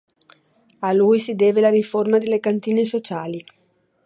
A lui si deve la riforma delle cantine sociali.